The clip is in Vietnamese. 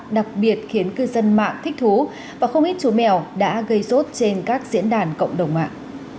đặc biệt khiến cư dân mạng thích thú và không ít chú mèo đã gây sốt trên các diễn đàn cộng đồng mạng